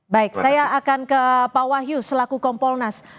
baik saya akan ke pak wahyu selaku kompolnas